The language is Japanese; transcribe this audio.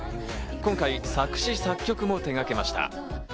今回、作詞・作曲も手がけました。